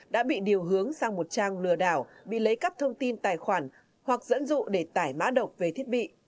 đã bị điều hướng sang một trang lừa đảo bị lấy cắp thông tin tài khoản hoặc dẫn dụ để tải mã độc về thiết bị